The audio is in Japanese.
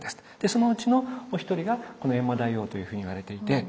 そのうちのお一人がこの閻魔大王というふうにいわれていて。